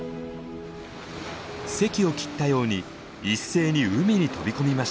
せきを切ったように一斉に海に飛び込みました。